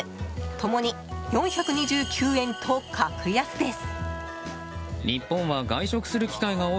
共に４２９円と格安です。